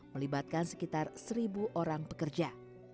melibatkan sekitar seribu orang pekerja